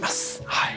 はい。